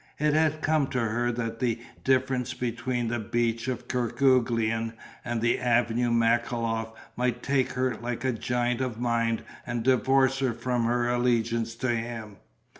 It had come to her that the difference between the beach of Kerguelen and the Avenue Malakoff might take her like a giant of mind and divorce her from her allegiance to him.